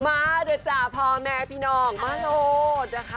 มาด้วยจ้ะพ่อแม่พี่น้องมาโลดนะคะ